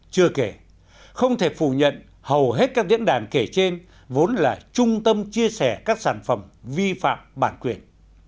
chưa kể không thể phủ nhận hầu hết các diễn đàn kể trên vốn là trung tâm chia sẻ các sản phẩm vi phạm bản quyền